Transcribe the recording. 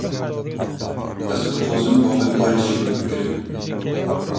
Ez dixwazim, babet were şîrove kirin